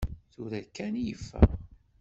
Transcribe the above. Tura kkan i yeffeɣ.